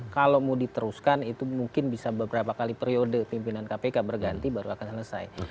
kalau mau diteruskan itu mungkin bisa beberapa kali periode pimpinan kpk berganti baru akan selesai